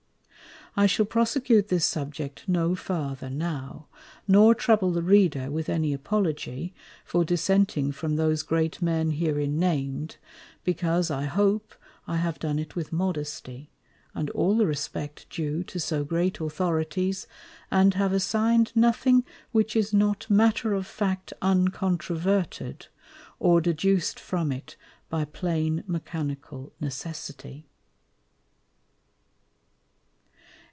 I shall prosecute this Subject no farther now, nor trouble the Reader with any Apology, for dissenting from those Great Men herein named; because, I hope, I have done it with Modesty, and all the Respect due to so great Authorities, and have assign'd nothing which is not Matter of Fact uncontroverted, or deduc'd from it by plain Mechanical Necessity.